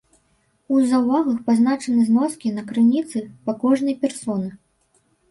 У заўвагах пазначаны зноскі на крыніцы па кожнай персоны.